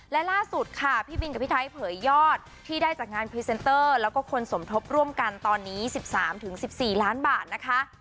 และล่าสุดค่ะพี่บินกับพี่ไทยเผยยอดที่ได้จากงานแล้วก็คนสมทบร่วมกันตอนนี้สิบสามถึงสิบสี่ล้านบาทนะคะ